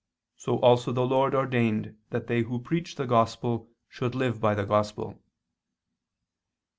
So also the lord ordained that they who preach the Gospel should live by the Gospel."